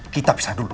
kita pisah dulu